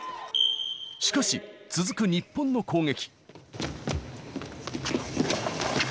しかし、続く日本の攻撃。